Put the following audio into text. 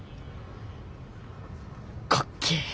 かっけえ！